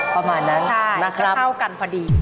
ประมาณนั้นนะครับใช่เท่ากันพอดี